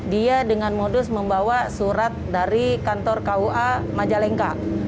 dia dengan modus membawa surat dari kantor kua majalengka